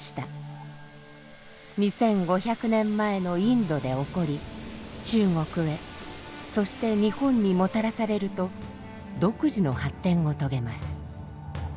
２，５００年前のインドで起こり中国へそして日本にもたらされると独自の発展を遂げます。